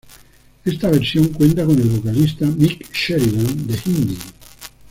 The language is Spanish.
Esta versión cuenta con el vocalista Mick Sheridan, de Hindi.